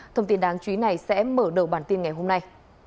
thông tin đáng chú ý này sẽ mở đầu bản tin ngày hôm nay